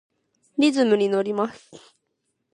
リズムにのります。